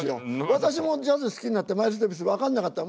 私もジャズ好きになってマイルス・デイビス分かんなかった。